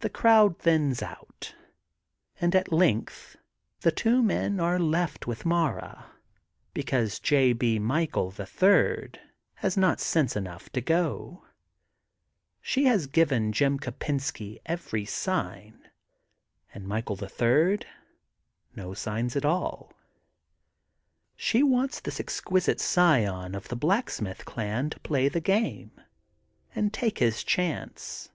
The crowd thins out, and at length the two men are left with Mara, because J. B. Michael, the Third, has not sense enough to go. She THE GOLDEN BOOK OF SPRINGFIELD 251 has given Jim Kopensky every sign and Mi chael, the Third, no signs at all. She wants this exquisite scion of the Black smith clan to play the game, and take his chance.